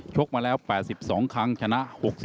กมาแล้ว๘๒ครั้งชนะ๖๔